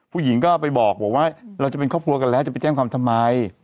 ผู้หญิงก็ไปบอกว่าเราจะเป็นครอบครัวกันแล้วจะไปแจ้งความทำไม